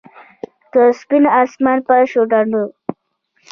د شین اسمان پر شونډو